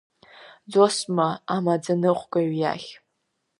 Зосма амаӡаныҟәгаҩ иахь.